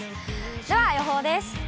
では、予報です。